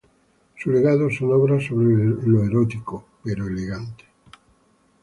Su legado son obras sobre lo erótico, pero elegante.